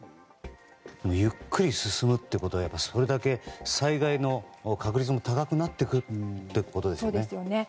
ゆっくり進むということはそれだけ災害の確率も高くなってくるということですよね。